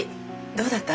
どうだった？